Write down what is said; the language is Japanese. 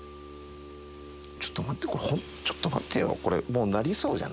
ちょっと待ってちょっと待ってよ。